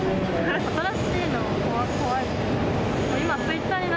新しいのは怖い。